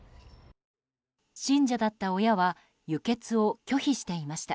信者だった親は輸血を拒否していました。